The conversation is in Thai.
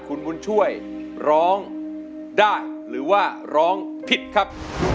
คุณบุญช่วยร้องได้หรือว่าร้องผิดครับ